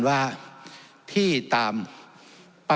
จำนวนเนื้อที่ดินทั้งหมด๑๒๒๐๐๐ไร่